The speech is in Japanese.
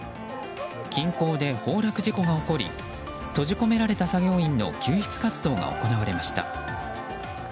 金鉱で崩落事故が起こり閉じ込められた作業員の救出活動が行われました。